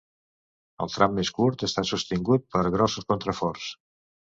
El tram més curt està sostingut per grossos contraforts.